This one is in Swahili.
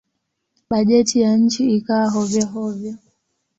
Bajeti ya nchi ikawa hovyo-hovyo.